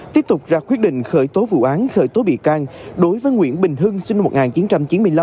tiếp tục ra quyết định khởi tố vụ án khởi tố bị can đối với nguyễn bình hưng sinh năm một nghìn chín trăm chín mươi năm